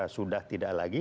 sudah tidak lagi